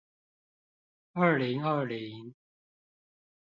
二零二零